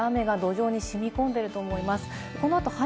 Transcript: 降った雨が土壌に染み込んでいると思います。